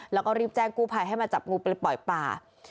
แล้วก็รีบแจ้งกู้ภัยให้มาจับงูไปปล่อยป่า